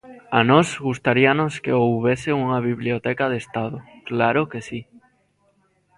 A nós gustaríanos que houbese unha biblioteca de Estado, claro que si.